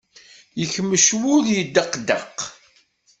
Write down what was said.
Yekmec wul yeddeqdeq.